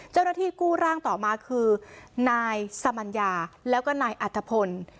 เจ้าหน้าที่กู้ร่างต่อมาคือนายสมัญญาแล้วก็นายอัตภพล